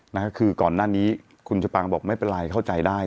นะฮะคือก่อนหน้านี้คุณชะปางบอกไม่เป็นไรเข้าใจได้